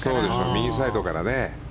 右サイドからね。